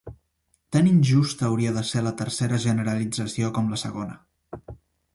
Tan injusta hauria de ser la tercera generalització com la segona.